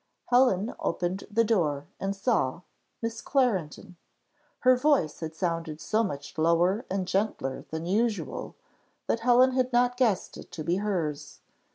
Helen opened the door, and saw Miss Clarendon. Her voice had sounded so much lower and gentler than usual, that Helen had not guessed it to be hers.